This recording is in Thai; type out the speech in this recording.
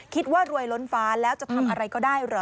รวยล้นฟ้าแล้วจะทำอะไรก็ได้เหรอ